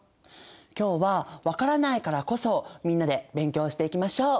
今日はわからないからこそみんなで勉強していきましょう。